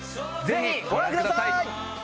ぜひご覧ください。